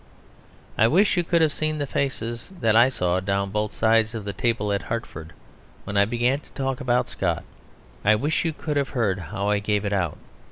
I wish you could have seen the faces that I saw down both sides of the table at Hartford when I began to talk about Scott. I wish you could have heard how I gave it out.